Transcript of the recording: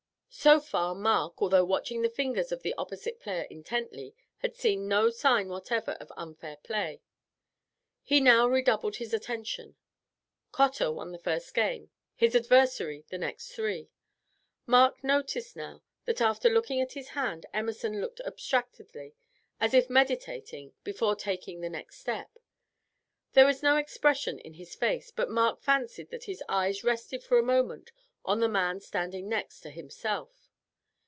So far Mark, although watching the fingers of the opposite player intently, had seen no sign whatever of unfair play. He now redoubled his attention. Cotter won the first game, his adversary the three next. Mark noticed now that after looking at his hand Emerson looked abstractedly, as if meditating before taking the next step; there was no expression in his face, but Mark fancied that his eyes rested for a moment on the man standing next to himself.